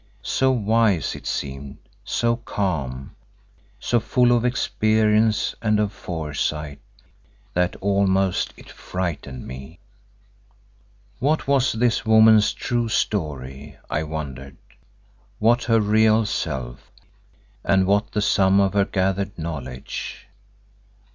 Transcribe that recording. So wise it seemed, so calm, so full of experience and of foresight, that almost it frightened me. What was this woman's true story, I wondered, what her real self, and what the sum of her gathered knowledge?